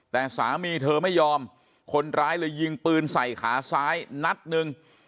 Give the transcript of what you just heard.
แต่สามีเธอไม่ยอมคนร้ายเลยยิงปืนใส่ขาซ้ายนัดหนึ่ง